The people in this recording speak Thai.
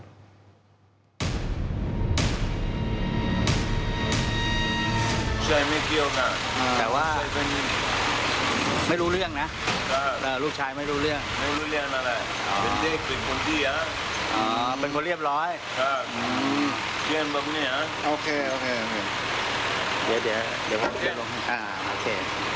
ไม่รู้เรื่องนะลูกชายไม่รู้เรื่องไม่รู้เรื่องอะไรเป็นคนเรียบร้อยเป็นคนเรียบร้อยครับโอเคโอเคเดี๋ยวเดี๋ยวโอเค